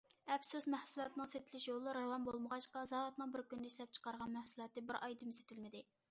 ئەپسۇس، مەھسۇلاتنىڭ سېتىلىش يوللىرى راۋان بولمىغاچقا، زاۋۇتنىڭ بىر كۈندە ئىشلەپچىقارغان مەھسۇلاتى بىر ئايدىمۇ سېتىلمىدى.